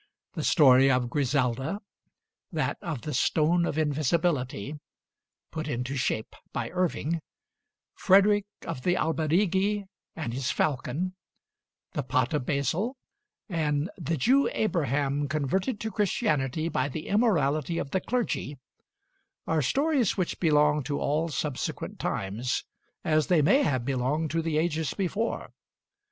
The story of 'Griselda'; that of 'The Stone of Invisibility,' put into shape by Irving; 'Frederick of the Alberighi and his Falcon'; 'The Pot of Basil'; and 'The Jew Abraham, Converted to Christianity by the Immorality of the Clergy,' are stories which belong to all subsequent times, as they may have belonged to the ages before.